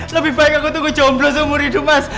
lebih baik aku tunggu jomblo seumur hidup mas